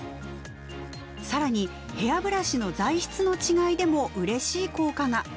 更にヘアブラシの材質の違いでもうれしい効果が。